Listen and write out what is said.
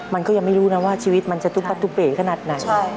มันก็ยังไม่รู้นะว่าชีวิตมันจะตุ๊เป๋ขนาดไหน